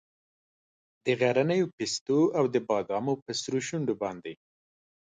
د غرنیو پیستو او د بادامو په سرو شونډو باندې